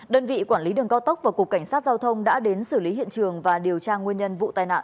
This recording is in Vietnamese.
đơn vị quản lý đường cao tốc và cục cảnh sát giao thông đã đến xử lý hiện trường và điều tra nguyên nhân vụ tai nạn